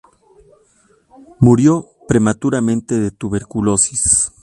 Murió prematuramente de tuberculosis.